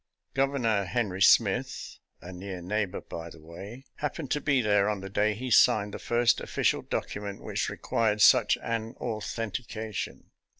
Governor Henry Smith — a near neighbor, by the way — ^happened to be there on the day he signed the first official document which required such an authentication.